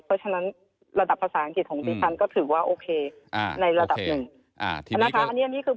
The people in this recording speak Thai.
เพราะฉะนั้นระดับภาษาอังกฤษของดิฉันก็ถือว่าโอเคในระดับหนึ่ง